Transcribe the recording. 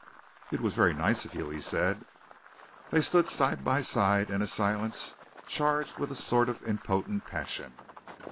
"It was very nice of you," he said. Then they stood side by side in a silence charged with a sort of impotent passion.